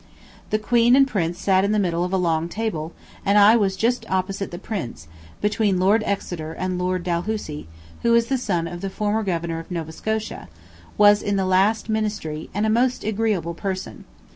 The Queen and Prince sat in the middle of a long table, and I was just opposite the Prince, between Lord Exeter and Lord Dalhousie, who is the son of the former Governor of Nova Scotia, was in the last ministry, and a most agreeable person.